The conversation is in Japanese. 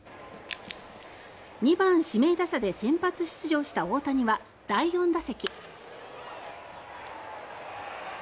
２番指名打者で先発出場した大谷は第４打席。